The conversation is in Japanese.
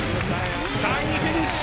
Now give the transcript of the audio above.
３位フィニッシュ！